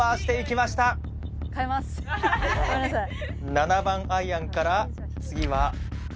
７番アイアンから次は。